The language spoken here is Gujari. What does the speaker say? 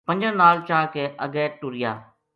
پنجاں نال چا کے اگے ٹریا۔